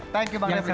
thank you bang refli